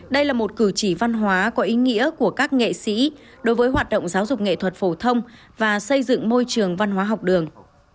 đây là một cử chỉ văn hóa có ý nghĩa của các nghệ sĩ đối với hoạt động giáo dục nghệ thuật phổ thông và xây dựng môi trường văn hóa học đường